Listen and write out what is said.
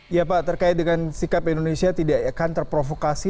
ya pak terkait dengan sikap indonesia tidak akan terprovokasi